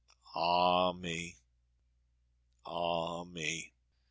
Ah me! Ah me!